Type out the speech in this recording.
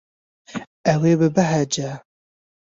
Ew ê bibehece.